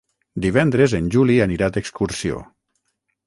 Divendres en Juli anirà d'excursió.